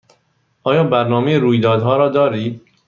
آیا برنامه رویدادها را دارید؟